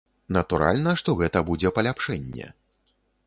Натуральна, што гэта будзе паляпшэнне.